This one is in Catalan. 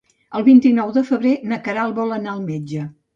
El vint-i-nou de febrer na Queralt vol anar al metge.